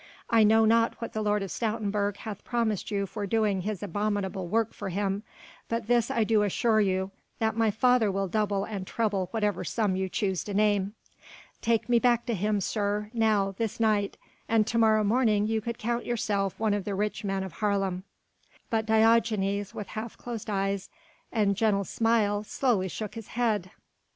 I know not what the Lord of Stoutenburg hath promised you for doing his abominable work for him, but this I do assure you that my father will double and treble whatever sum you choose to name. Take me back to him, sir, now, this night, and to morrow morning you could count yourself one of the rich men of Haarlem." But Diogenes with half closed eyes and gentle smile slowly shook his head.